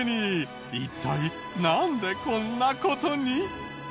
一体なんでこんな事に？